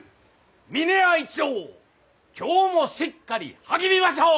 峰屋一同今日もしっかり励みましょう！